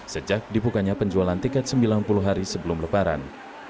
sejak dibukanya penjualan tiket sembilan puluh hari sebelum lebaran